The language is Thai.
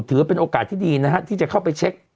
ถือเป็นโอกาสที่ดีนะฮะที่จะเข้าไปเช็ค